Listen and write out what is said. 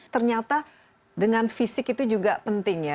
ternyata dengan fisik itu juga penting ya